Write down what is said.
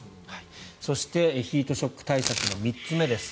そして、ヒートショック対策の３つ目です。